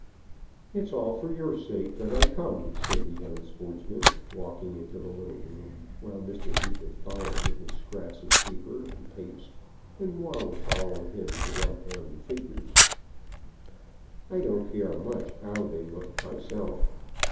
"It's all for your sake that I come," said the young sportsman, walking into the little room, while Mr. Neefit followed with his scraps of paper and tapes, and Waddle followed him to write down the figures. "I don't care much how they look myself."